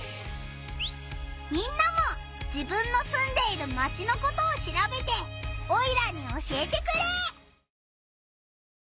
みんなも自分のすんでいるマチのことをしらべてオイラに教えてくれ！